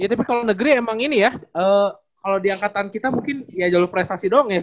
tapi kalau negeri emang ini ya kalau di angkatan kita mungkin ya jalur prestasi doang ya